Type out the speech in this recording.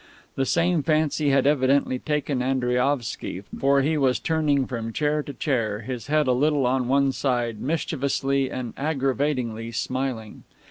The same fancy had evidently taken Andriaovsky, for he was turning from chair to chair, his head a little on one side, mischievously and aggravatingly smiling.